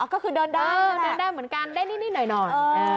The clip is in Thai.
ก็คือเดินได้เดินได้เหมือนกันได้นิดหน่อย